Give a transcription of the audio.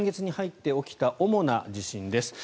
今月に入って起きた主な地震です。